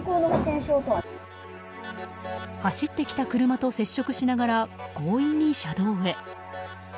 走ってきた車と接触しながら強引に車道へ。